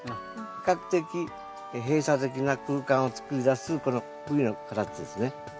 比較的閉鎖的な空間を作り出すこのＶの形ですね。